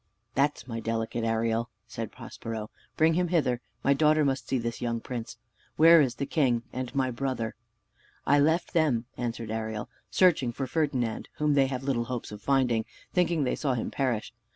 "That's my delicate Ariel," said Prospero. "Bring him hither: my daughter must see this young prince. Where is the king, and my brother?" "I left them," answered Ariel, "searching for Ferdinand, whom, they have little hopes of finding, thinking they saw him perish.